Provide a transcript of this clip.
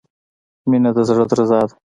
• مینه د زړۀ درزا ده.